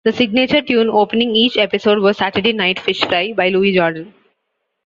The signature tune opening each episode was "Saturday Night Fish Fry" by Louis Jordan.